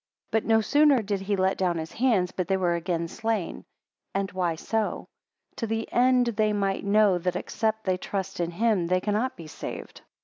5 But no sooner did he let down his hands, but they were again slain. And why so? To the end they might know, that except they trust in him they cannot be saved.